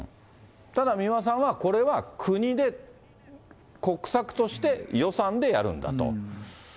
美馬さん、これは国で、国策として、予算でやるんだと。